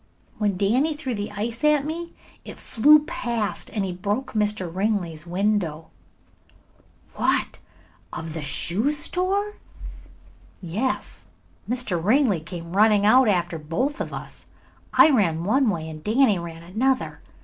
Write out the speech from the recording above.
"When Danny threw the ice at me it flew past and broke Mr. Ringley's window." "What, of the shoe store?" "Yes. Mr. Ringley came running out after both of us. I ran one way and Danny ran another.